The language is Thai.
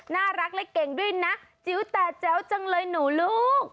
น่ารักและเก่งด้วยนะจิ๋วแต่แจ๋วจังเลยหนูลูก